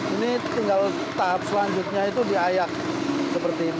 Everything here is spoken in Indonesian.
ini tinggal tahap selanjutnya itu diayak seperti ini